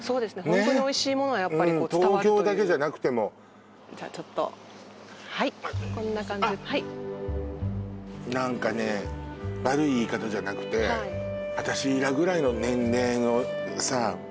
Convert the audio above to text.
ホントにおいしいものはやっぱりこう伝わるという東京だけじゃなくてもじゃあちょっとはいこんな感じあっ何かね悪い言い方じゃなくてはい私らぐらいの年齢のさ